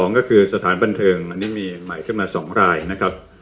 ก็คือสถานบันเทิงอันนี้มีใหม่ขึ้นมา๒รายนะครับ